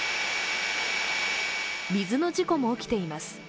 水の事故も起きています。